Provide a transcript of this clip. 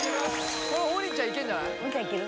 これ王林ちゃんいけんじゃないいける